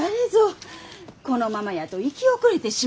このままやと行き遅れてしまいますき。